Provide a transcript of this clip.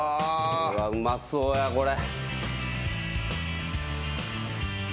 うわうまそうやこれ。